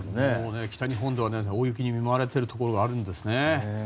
北日本では大雪に見舞われているところがあるんですね。